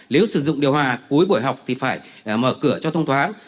nếu sử dụng điều hòa cuối buổi học thì phải mở cửa cho thông thoáng